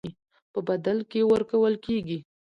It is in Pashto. په بدل کې ورکول کېږي.